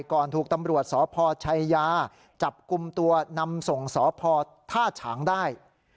ถูกตำรวจสพชัยยาจับกลุ่มตัวนำส่งสพท่าฉางได้